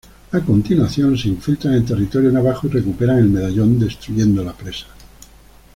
A continuación, se infiltran en territorio navajo y recuperan el medallón, destruyendo la presa.